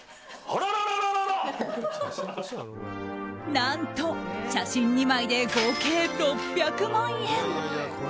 何と写真２枚で合計６００万円。